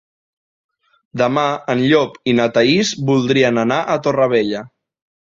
Demà en Llop i na Thaís voldrien anar a Torrevella.